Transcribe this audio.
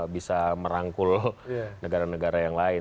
bisa merangkul negara negara yang lain